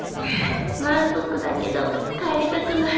満足だけど帰りたくない。